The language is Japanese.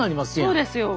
そうですよ。